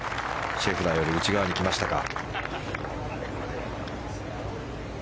シェフラーより内側に来ましたか。